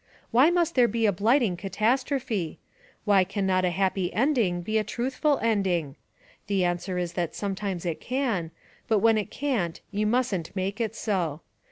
Why must there be a blighting catastrophe ? Why cannot a happy ending be a truthful ending? The answer is that sometimes it can, but when it can't you mustn't make it so.